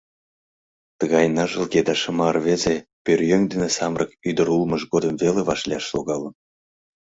Тыгай ныжылге да шыма рвезе пӧръеҥ дене самырык ӱдыр улмыж годым веле вашлияш логалын.